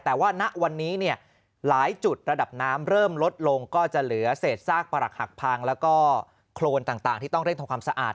แต่ว่าณวันนี้เนี่ยหลายจุดระดับน้ำเริ่มลดลงก็จะเหลือเศษซากประหลักหักพังแล้วก็โครนต่างที่ต้องเร่งทำความสะอาด